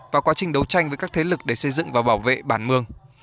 và quá trình đấu tranh với các thế lực để xây dựng và bảo vệ bản mường